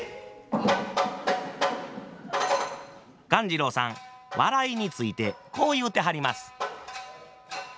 鴈治郎さん笑いについてこう言うてはります。